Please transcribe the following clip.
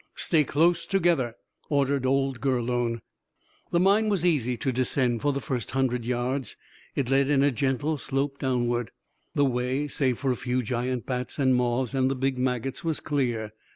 "Stay close together," ordered old Gurlone. The mine was easy to descend for the first hundred yards. It led in a gentle slope downward. The way, save for a few giant bats and moths, and the big maggots, was clear.